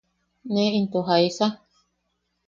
¿Ne into jaisa?